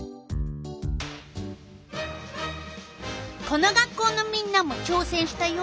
この学校のみんなもちょうせんしたよ。